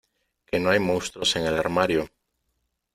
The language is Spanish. que no hay monstruos en el armario